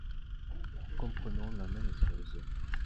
Nous comprenons la même chose